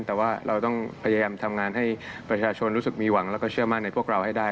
แต่ว่าเราต้องพยายามทำงานให้ประชาชนรู้สึกมีหวังแล้วก็เชื่อมั่นในพวกเราให้ได้